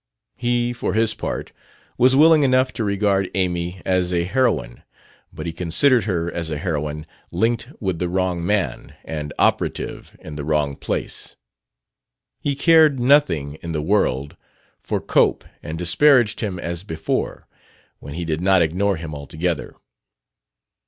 He, for his part, was willing enough to regard Amy as a heroine; but he considered her as a heroine linked with the wrong man and operative in the wrong place. He cared nothing in the world for Cope, and disparaged him as before when he did not ignore him altogether.